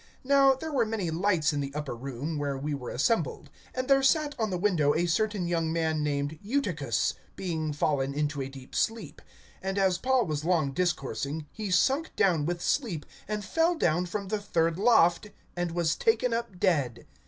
(8)Now there were many lights in the upper room, where we were assembled. (9)And there sat on the window a certain young man named Eutychus, being fallen into a deep sleep; and as Paul was long discoursing, he sunk down with sleep, and fell down from the third loft, and was taken up dead.